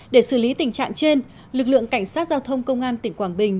để xử lý tình trạng trên lực lượng cảnh sát giao thông công an tỉnh quảng bình